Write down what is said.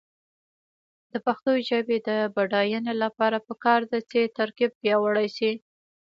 د پښتو ژبې د بډاینې لپاره پکار ده چې ترکیب پیاوړی شي.